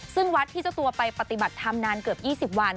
ซึ่งวัดที่เจ้าตัวไปปฏิบัติธรรมนานเกือบ๒๐วัน